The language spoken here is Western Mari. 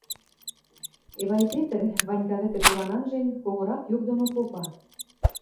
Эвай Петр, Ванька вӹкӹ туран анжен, когорак юк доно попа: